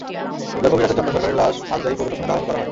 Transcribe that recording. বুধবার গভীর রাতে চন্দন সরকারের লাশ মাসদাইর পৌর শ্মশানে দাহ করা হয়।